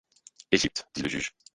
Égypte, dit le juge.